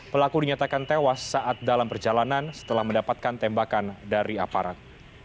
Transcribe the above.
pelaku dinyatakan tewas saat dalam perjalanan setelah mendapatkan tembakan dari aparat